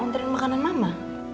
mau ngeri makanan mama